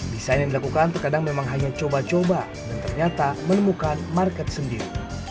desain yang dilakukan terkadang memang hanya coba coba dan ternyata menemukan market sendiri